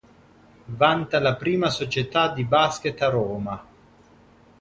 Vanta la prima società di basket a Roma.